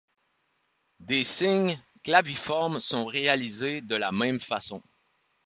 Des signes claviformes sont réalisés de la même façon.